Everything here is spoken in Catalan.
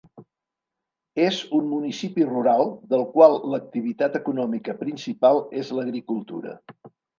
És un municipi rural del qual l'activitat econòmica principal és l'agricultura.